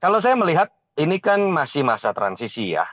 kalau saya melihat ini kan masih masa transisi ya